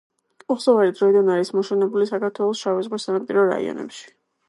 უხსოვარი დროიდან არის მოშენებული საქართველოს შავის ზღვის სანაპირო რაიონებში.